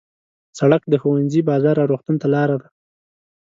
سړک د ښوونځي، بازار او روغتون ته لاره ده.